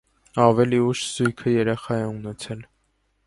Ավելի ուշ զույգը երեխա է ունեցել։